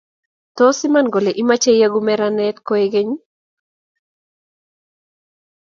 Tos iman kole imache ieku meranet koikeny ii?